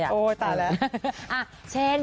โอ้โหต่างแล้ว